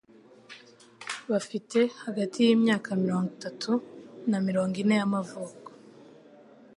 bafite hagati y'imyaka mirongo itatu na mirongo ine y'amavuko.